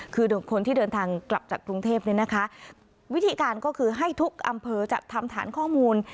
คือคนที่เดินทางกลับจากกรุงเทพเนี่ยนะคะวิธีการก็คือให้ทุกอำเภอจะทำฐานข้อมูล